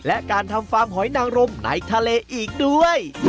และการทำฟาร์มหอยนางรมในทะเลอีกด้วย